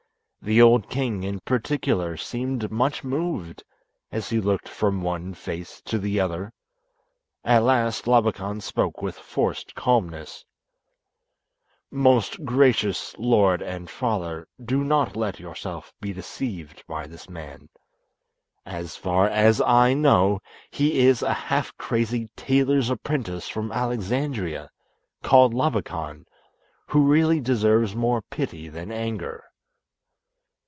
The old king in particular seemed much moved as he looked from one face to the other. At last Labakan spoke with forced calmness, "Most gracious lord and father, do not let yourself be deceived by this man. As far as I know, he is a half crazy tailor's apprentice from Alexandria, called Labakan, who really deserves more pity than anger."